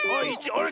あれ？